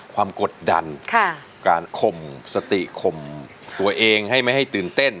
กดดันการข่มสติข่มตัวเองให้ไม่ให้ตื่นเต้น